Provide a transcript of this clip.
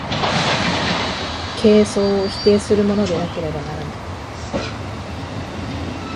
形相を否定するものでなければならない。